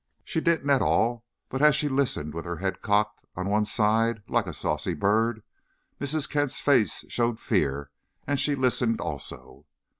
She didn't at all, but as she listened, with her head cocked on one side, like a saucy bird, Mrs. Kent's face showed fear, and she listened also.